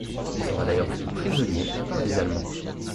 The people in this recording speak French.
Il sera d’ailleurs fait prisonnier par les Allemands.